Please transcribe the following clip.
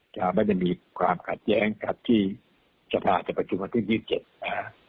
จะไม่ได้มีความขัดแย้งกับที่สภาจะประชุมวันที่ยี่สิบเจ็ดอ่า